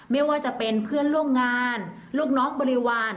ไม่ว่าจะเป็นเพื่อนร่วมงานลูกน้องบริวาร